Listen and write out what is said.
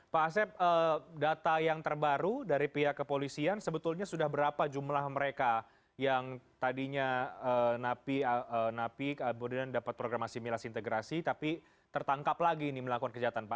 mas epp data yang terbaru dari pihak kepolisian sebetulnya sudah berapa jumlah mereka yang tadinya napi napi kemudian dapat programasi milasi integrasi tapi tertangkap lagi melakukan kejahatan pak